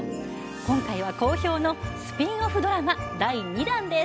今回は、好評のスピンオフドラマ第２弾です。